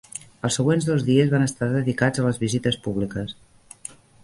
Els següents dos dies van estar dedicats a les visites públiques.